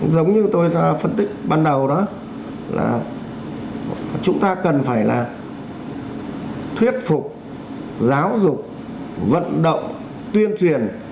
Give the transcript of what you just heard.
giống như tôi ra phân tích ban đầu đó là chúng ta cần phải là thuyết phục giáo dục vận động tuyên truyền